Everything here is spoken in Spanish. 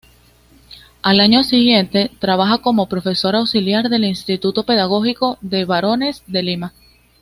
Al año siguiente trabaja como profesor auxiliar del Instituto Pedagógico de Varones de Lima.